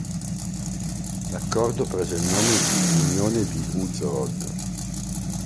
L'accordo prese il nome di Unione di Užhorod.